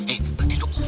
eh pak tirno